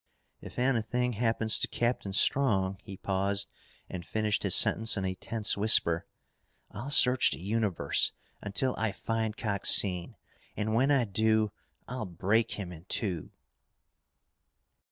"If anything happens to Captain Strong," he paused and finished his sentence in a tense whisper, "I'll search the universe until I find Coxine. And when I do, I'll break him in two!"